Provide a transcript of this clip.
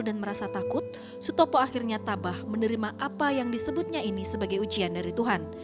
dan merasa takut sutopo akhirnya tabah menerima apa yang disebutnya ini sebagai ujian dari tuhan